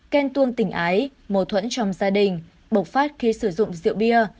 khen tuông tình ái mâu thuẫn chồng gia đình bộc phát khi sử dụng rượu bia